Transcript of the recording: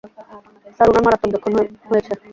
Sir, উনার মারাত্মক জখম হয়েছে।